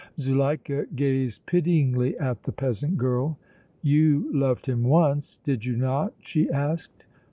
Zuleika gazed pityingly at the peasant girl. "You loved him once, did you not?" she asked.